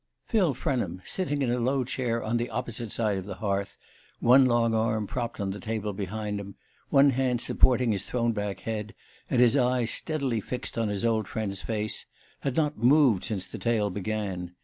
Phil Frenham, sitting in a low chair on the opposite side of the hearth, one long arm propped on the table behind him, one hand supporting his thrown back head, and his eyes steadily fixed on his old friend's face, had not moved since the tale began.